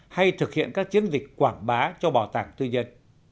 hay thực hiện các chiến dịch quảng bá cho bảo tàng tư nhân